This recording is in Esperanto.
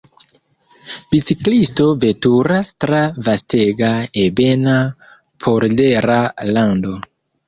Biciklisto veturas tra vastega ebena poldera lando.